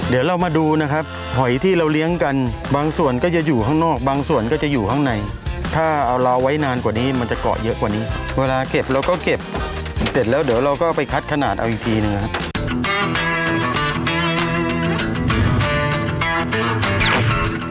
เดี๋ยวเรามาดูนะครับหอยที่เราเลี้ยงกันบางส่วนก็จะอยู่ข้างนอกบางส่วนก็จะอยู่ข้างในถ้าเอาเราไว้นานกว่านี้มันจะเกาะเยอะกว่านี้เวลาเก็บเราก็เก็บเสร็จแล้วเดี๋ยวเราก็ไปคัดขนาดเอาอีกทีหนึ่งนะครับ